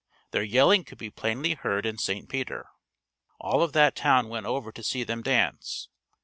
Their yelling could be plainly heard in St. Peter. All of that town went over to see them dance.